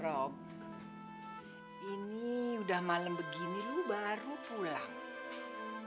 rob ini udah malam begini lu baru pulang